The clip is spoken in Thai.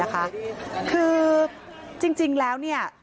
คือจริงแล้ว